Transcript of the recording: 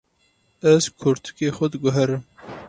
Ez kurtikê xwe diguherim.